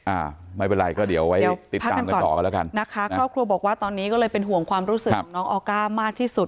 อ่าไม่เป็นไรก็เดี๋ยวไว้ติดตามกันต่อกันแล้วกันนะคะครอบครัวบอกว่าตอนนี้ก็เลยเป็นห่วงความรู้สึกของน้องออก้ามากที่สุด